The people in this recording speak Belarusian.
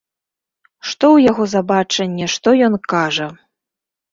Што ў яго за бачанне, што ён кажа.